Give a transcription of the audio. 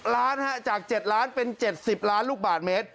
๑๐ล้านฮะจาก๗ล้านเป็น๗๐ล้านลูกบาทเมตร